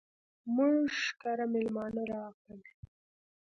موږ کره ميلمانه راغلل.